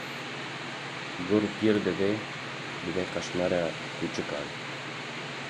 Gur pîr dibe, dibe qeşmerê kûçikan.